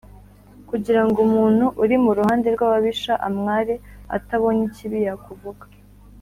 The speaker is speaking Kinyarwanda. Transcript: kugira ngo umuntu uri mu ruhande rw’ababisha amware atabonye ikibi yakuvuga.